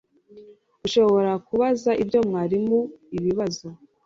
Urashobora kubaza ibyo mwarimu ibibazo